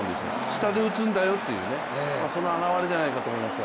下で打つんだよというねそれの表れじゃないかと思います。